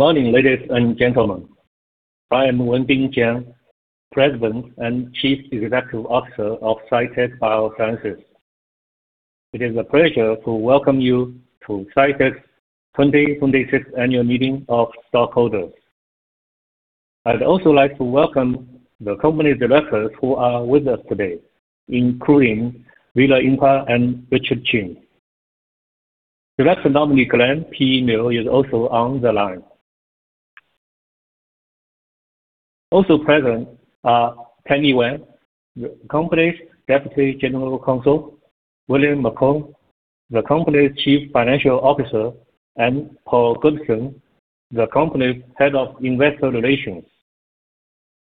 Good morning, ladies and gentlemen. I am Wenbin Jiang, President and Chief Executive Officer of Cytek Biosciences. It is a pleasure to welcome you to Cytek's 2026 Annual Meeting of Stockholders. I'd also like to welcome the company directors who are with us today, including Eleanor Kincaid and Richard Chin. Director nominee, Glenn P. Miur, is also on the line. Also present are Kenny Wang, the company's Deputy General Counsel, William McCombe, the company's Chief Financial Officer, and Paul Goodson, the company's Head of Investor Relations.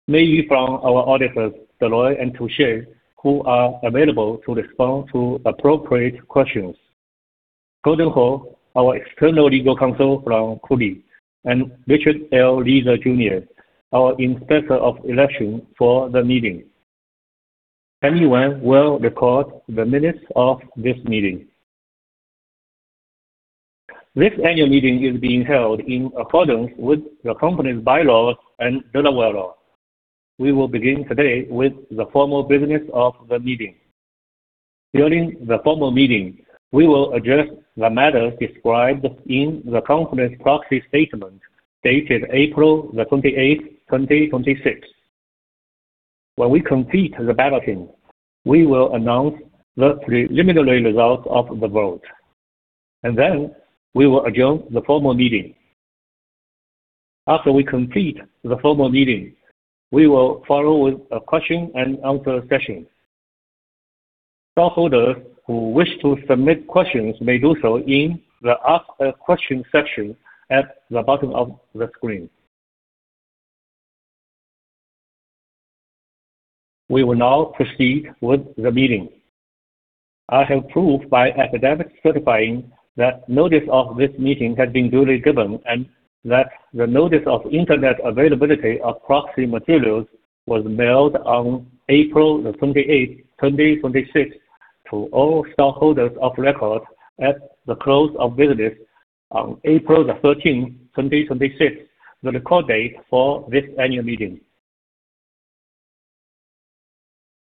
May Yu from our auditors, Deloitte & Touche, who are available to respond to appropriate questions. Gordon Ho, our external legal counsel from Cooley, and Richard L. Reeser Jr., our Inspector of Election for the meeting. Kenny Wang will record the minutes of this meeting. This annual meeting is being held in accordance with the company's bylaws and Delaware law. We will begin today with the formal business of the meeting. During the formal meeting, we will address the matter described in the company's proxy statement dated April 28, 2026. When we complete the balloting, we will announce the preliminary results of the vote. Then we will adjourn the formal meeting. After we complete the formal meeting, we will follow with a question and answer session. Stockholders who wish to submit questions may do so in the Ask a Question section at the bottom of the screen. We will now proceed with the meeting. I have proof by affidavit certifying that notice of this meeting has been duly given and that the notice of internet availability of proxy materials was mailed on April 28, 2026, to all stockholders of record at the close of business on April 13, 2026, the record date for this annual meeting.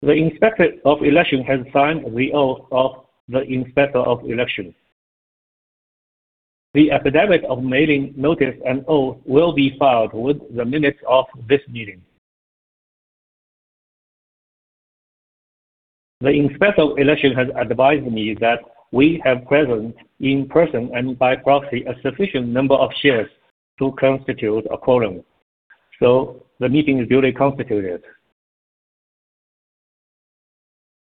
The Inspector of Election has signed the Oath of the Inspector of Election. The affidavit of mailing notice and oath will be filed with the minutes of this meeting. The Inspector of Election has advised me that we have present in person and by proxy a sufficient number of shares to constitute a quorum. The meeting is duly constituted.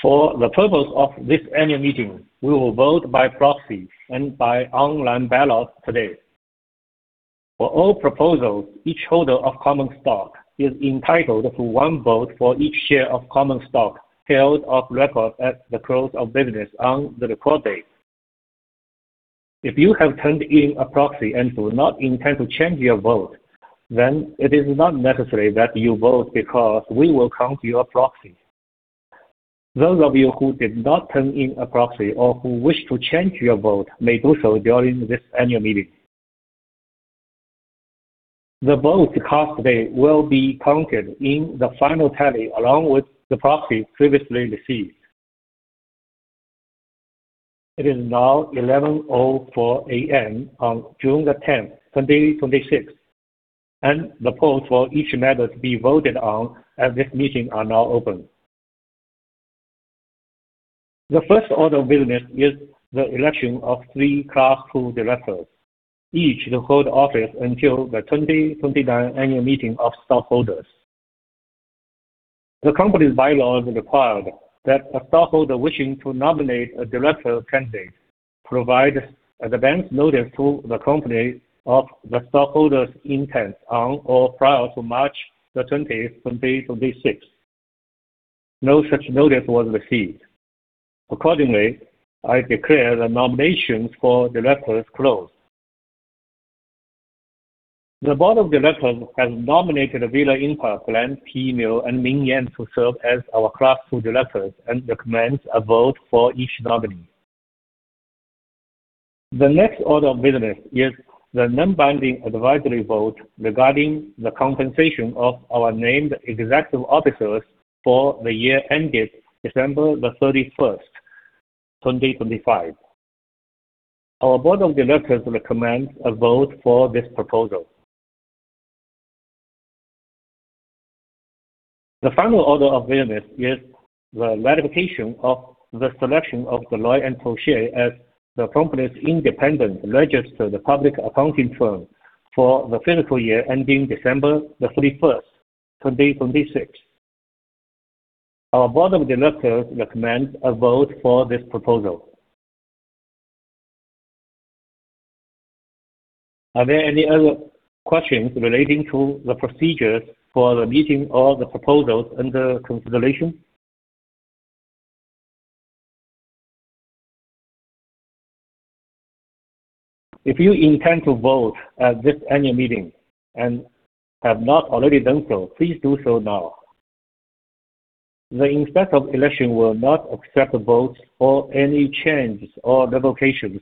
For the purpose of this annual meeting, we will vote by proxy and by online ballot today. For all proposals, each holder of common stock is entitled to one vote for each share of common stock held of record at the close of business on the record date. If you have turned in a proxy and do not intend to change your vote, it is not necessary that you vote because we will count your proxy. Those of you who did not turn in a proxy or who wish to change your vote may do so during this annual meeting. The votes cast today will be counted in the final tally along with the proxies previously received. It is now 11:04 A.M. on June 10, 2026. The polls for each matter to be voted on at this meeting are now open. The first order of business is the election of three Class II directors, each to hold office until the 2029 Annual Meeting of Stockholders. The company's bylaws required that a stockholder wishing to nominate a director candidate provide advance notice to the company of the stockholder's intent on or prior to March 20, 2026. No such notice was received. Accordingly, I declare the nominations for directors closed. The board of directors has nominated Eleanor Kincaid, Glenn P. Mill, and Ming Yan to serve as our Class II directors and recommends a vote for each nominee. The next order of business is the non-binding advisory vote regarding the compensation of our named executive officers for the year ended December 31st, 2025. Our board of directors recommends a vote for this proposal. The final order of business is the ratification of the selection of Deloitte & Touche as the company's independent registered public accounting firm for the fiscal year ending December 31st, 2026. Our board of directors recommends a vote for this proposal. Are there any other questions relating to the procedures for the meeting or the proposals under consideration? If you intend to vote at this annual meeting and have not already done so, please do so now. The Inspector of Election will not accept the votes or any changes or revocations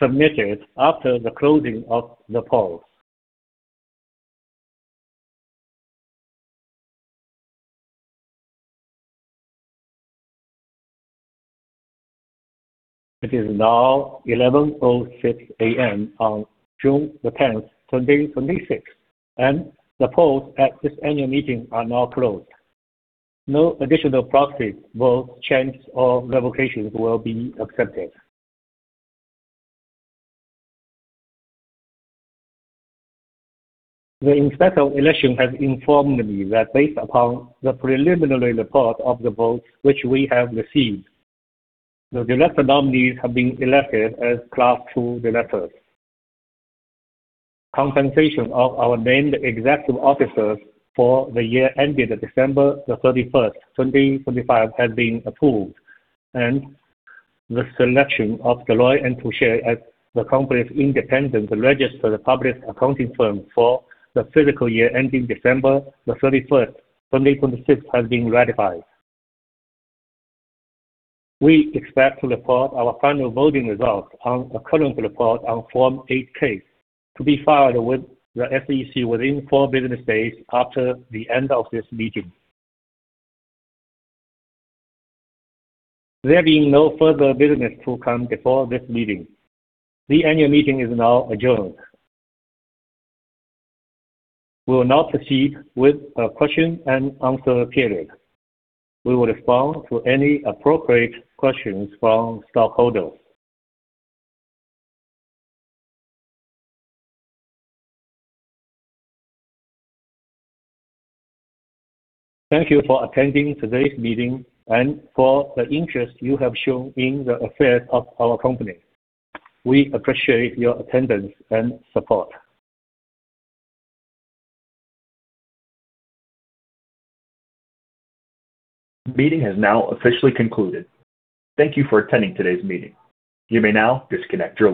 submitted after the closing of the polls. It is now 11:06 A.M. on June 10th, 2026, and the polls at this annual meeting are now closed. No additional proxies, votes, changes, or revocations will be accepted. The Inspector of Election has informed me that based upon the preliminary report of the votes which we have received, the director nominees have been elected as Class II directors. Compensation of our named executive officers for the year ending December 31st, 2025 has been approved, and the selection of Deloitte & Touche as the company's independent registered public accounting firm for the fiscal year ending December 31st, 2026 has been ratified. We expect to report our final voting results on a current report on Form 8-K to be filed with the SEC within four business days after the end of this meeting. There being no further business to come before this meeting, the annual meeting is now adjourned. We will now proceed with a question and answer period. We will respond to any appropriate questions from stockholders. Thank you for attending today's meeting and for the interest you have shown in the affairs of our company. We appreciate your attendance and support. Meeting has now officially concluded. Thank you for attending today's meeting. You may now disconnect your line.